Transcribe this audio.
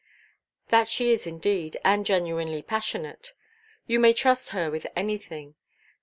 "That she is indeed, and genuinely passionate; you may trust her with anything.